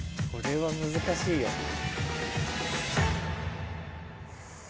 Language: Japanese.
これは難しいよ。